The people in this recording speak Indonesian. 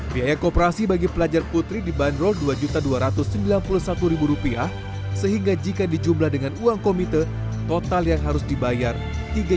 biaya kooperasi bagi pelajar putri dibanderol dua dua ratus sembilan puluh satu rupiah sehingga jika dijumlah dengan uang komite total yang harus dibayar tiga enam ratus sembilan puluh tujuh rupiah